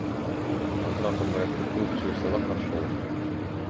Азыр Атамбаевди кууп чыгышса да каршы болом.